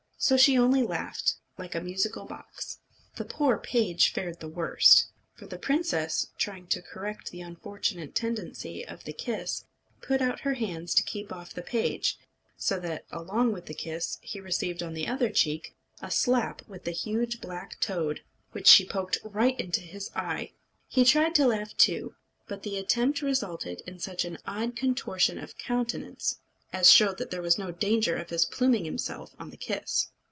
So she only laughed, like a musical box. The poor page fared the worst. For the princess, trying to correct the unfortunate tendency of the kiss, put out her hands to keep off the page; so that, along with the kiss, he received, on the other cheek, a slap with the huge black toad, which she poked right into his eye. He tried to laugh, too, but the attempt resulted in such an odd contortion of countenance, as showed that there was no danger of his pluming himself on the kiss.